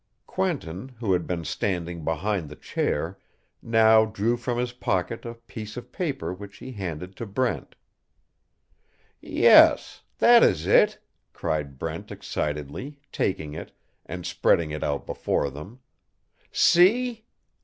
Quentin, who had been standing behind the chair, now drew from his pocket a piece of paper which he handed to Brent. "Yes that is it," cried Brent, excitedly, taking it, and spreading it out before them. "See!"